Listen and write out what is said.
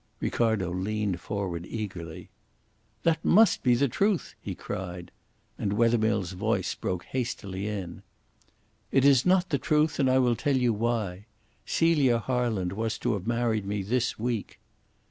Ricardo leaned forward eagerly. "That must be the truth," he cried; and Wethermill's voice broke hastily in: "It is not the truth and I will tell you why. Celia Harland was to have married me this week."